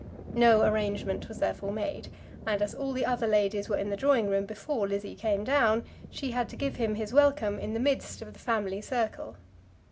No arrangement was therefore made, and as all the other ladies were in the drawing room before Lizzie came down, she had to give him his welcome in the midst of the family circle.